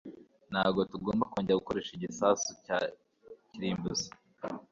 Ntabwo tugomba kongera gukoresha igisasu cya kirimbuzi.